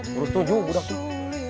terus tuju budak tuh